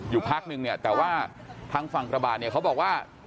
อยู่พักหนึ่งแต่ว่าทางฝั่งกระบาดเขาบอกว่า